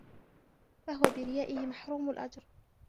فَهُوَ بِرِيَائِهِ مَحْرُومُ الْأَجْرِ